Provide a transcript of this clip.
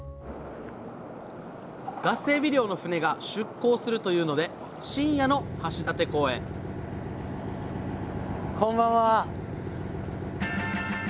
ガスエビ漁の船が出航するというので深夜の橋立港へこんばんは。